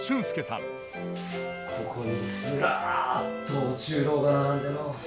ここにずらっと御中臈が並んでの。